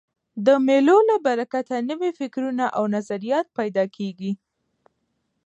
د مېلو له برکته نوي فکرونه او نظریات پیدا کېږي.